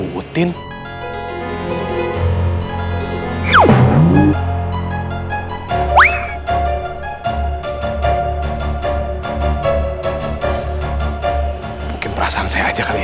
ngikutin mungkin perasaan saya aja kali ya